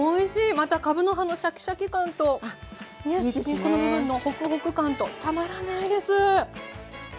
またかぶの葉のシャキシャキ感と根っこの部分のホクホク感とたまらないです。